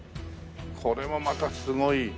これもまたすごい。